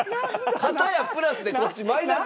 片やプラスでこっちマイナスやん。